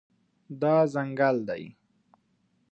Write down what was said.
دا ځنګل دی